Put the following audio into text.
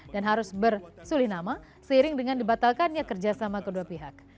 dan harus bersulih nama seiring dengan dibatalkannya kerjasama kedua pihak